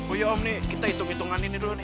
oh iya om kita hitung hitungan ini dulu nih